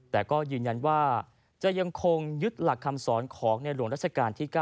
แต่ก็ยืนยันว่าจะยังคงยึดหลักคำสอนของในหลวงราชการที่๙